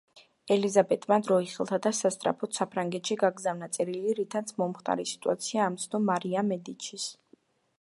ელიზაბეტმა დრო იხელთა და სასწრაფოდ საფრანგეთში გააგზავნა წერილი, რითაც მომხდარი სიტუაცია ამცნო მარია მედიჩის.